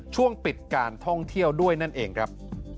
ช่วงปิดการท่องเที่ยวด้วยนั่นเองครับ